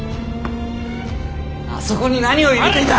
あそこに何を入れていた？